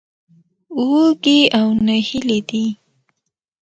وږي او نهيلي دي.